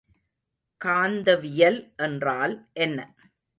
காந்தவியல் என்றால் என்ன?